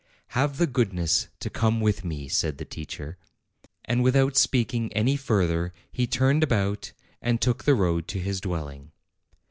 "Have the goodness to come with me," said the teacher. And without speaking any further he turned about and took the road to his dwelling.